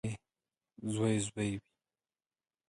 • زوی زوی وي.